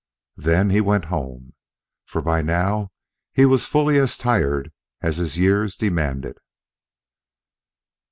Then he went home; for by now he was fully as tired as his years demanded.